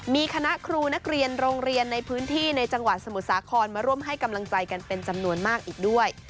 มีคณะครูนักเรียนโรงเรียนในพื้นที่ในจังหวัดสมุทรสาครมาร่วมให้กำลังใจกันเป็นจำนวนมากอีกด้วย